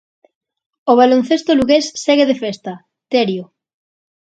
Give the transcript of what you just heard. O baloncesto lugués segue de festa, Terio.